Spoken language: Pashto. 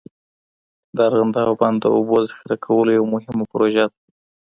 د ارغنداب بند د اوبو ذخیره کولو یوه مهمه پروژه ده.